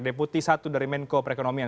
deputi satu dari menko perekonomian